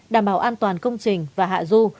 đảm bảo an toàn công trình và hạ du